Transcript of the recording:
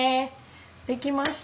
できました。